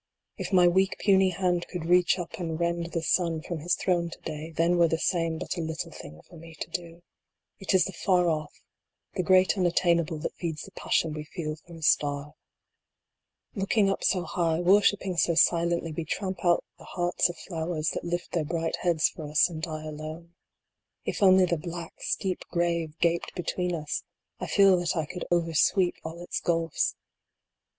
If my weak puny hand could reach up and rend the sun DYING. 113 from his throne to day, then were the same but a little thing for me to do. It is the Far Off, the great Unattainable, that feeds the passion we feel for a star. Looking up so high, worshiping so silently, we tramp out the hearts of flowers that lift their bright heads for us and die alone. If only the black, steep grave gaped between us, I feel that I could over sweep all its gulfs.